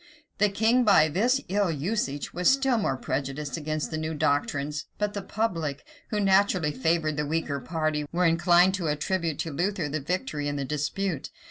The king, by this ill usage, was still more prejudiced against the new doctrines; but the public, who naturally favor the weaker party, were inclined to attribute to Luther the victory in the dispute.